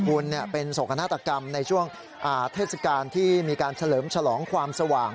คุณเป็นโศกนาฏกรรมในช่วงเทศกาลที่มีการเฉลิมฉลองความสว่าง